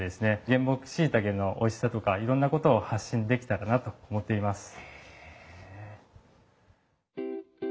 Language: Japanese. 原木しいたけのおいしさとかいろんなことを発信できたらなと思っています。